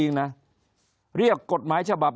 คนในวงการสื่อ๓๐องค์กร